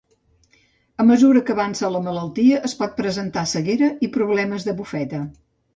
A mesura que avança la malaltia, es pot presentar ceguera i problemes de bufeta.